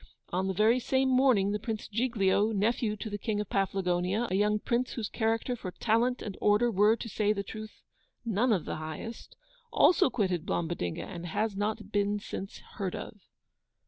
On the very same morning the Prince Giglio, nephew to the King of Paflagonia, a young Prince whose character for TALENT and ORDER were, to say truth, none of the HIGHEST, also quitted Blombodinga, and has not been since heard of!